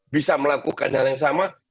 bisa melakukan hal yang sama